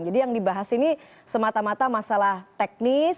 jadi yang dibahas ini semata mata masalah teknis